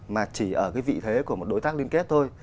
mà chỉ ở cái vị thế của một đối tác liên kết thôi